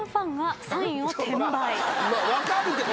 分かるけど。